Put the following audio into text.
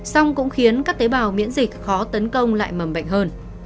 xong cũng khiến các tế bào miễn dịch khó tấn công lại mầm bệnh hơn